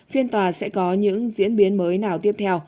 phiên tòa sẽ có những diễn biến mới nào tiếp theo